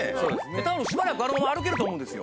多分しばらくあのまま歩けると思うんですよ